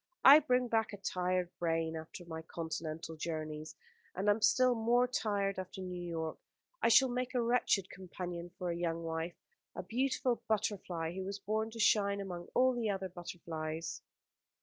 I bring back a tired brain after my continental journeys, and am still more tired after New York. I should make a wretched companion for a young wife, a beautiful butterfly who was born to shine among all the other butterflies."